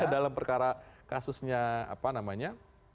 dalam perkara kasusnya apa namanya